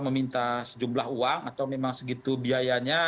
meminta sejumlah uang atau memang segitu biayanya